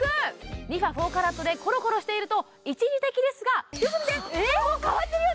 ＲｅＦａ４ＣＡＲＡＴでコロコロしていると一時的ですがよく見てもう変わってるよね